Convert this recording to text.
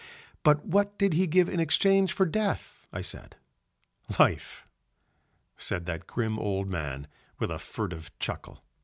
"But what did he give in exchange for death?" I said. "Life," said that grim old man with a furtive chuckle.